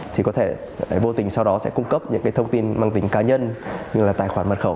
thì có thể vô tình sau đó sẽ cung cấp những cái thông tin mang tính cá nhân như là tài khoản mật khẩu